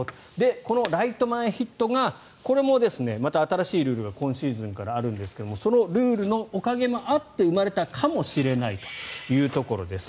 このライト前ヒットがこれもまた新しいルールが今シーズンからあるんですがそのルールのおかげもあって生まれたかもしれないというところです。